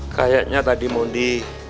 kayaknya tadi mau di